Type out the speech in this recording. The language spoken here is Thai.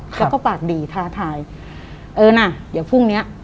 แล้วก็ปากดีท้าทายเออน่ะเดี๋ยวพรุ่งเนี้ย